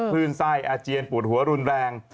คลื่นไส้อาเจียนปวดหัวรุนแรง